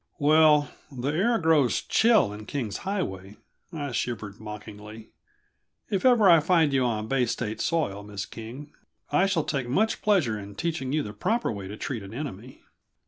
"Well, the air grows chill in King's Highway," I shivered mockingly. "If ever I find you on Bay State soil, Miss King, I shall take much pleasure in teaching you the proper way to treat an enemy."